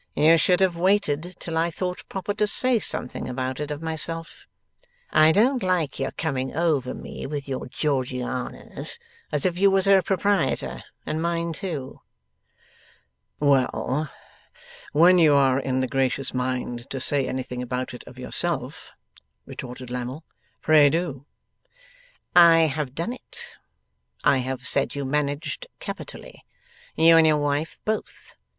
'You should have waited till I thought proper to say something about it of myself. I don't like your coming over me with your Georgianas, as if you was her proprietor and mine too.' 'Well, when you are in the gracious mind to say anything about it of yourself,' retorted Lammle, 'pray do.' 'I have done it. I have said you managed capitally. You and your wife both.